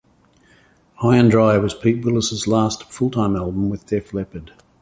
"High 'n' Dry" was Pete Willis' last full-time album with Def Leppard.